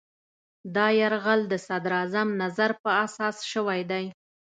دا یرغل د صدراعظم نظر په اساس شوی دی.